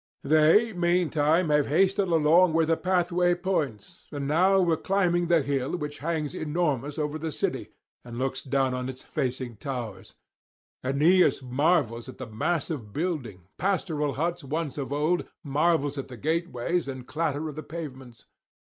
They meantime have hasted along where the pathway points, and now were climbing the hill which hangs enormous over the city, and looks down on its facing towers. [421 456]Aeneas marvels at the mass of building, pastoral huts once of old, marvels at the gateways and clatter of the pavements.